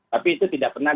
tapi itu tidak pernah